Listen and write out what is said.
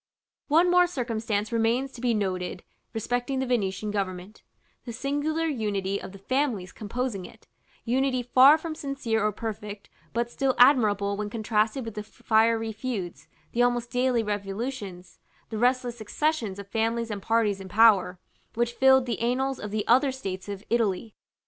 § XII. One more circumstance remains to be noted respecting the Venetian government, the singular unity of the families composing it, unity far from sincere or perfect, but still admirable when contrasted with the fiery feuds, the almost daily revolutions, the restless successions of families and parties in power, which fill the annals of the other states of Italy.